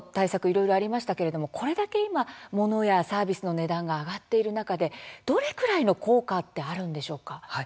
いろいろありましたけどこれだけ今、モノやサービスの値段が上がっている中でどれくらいの効果ってあるんでしょうか？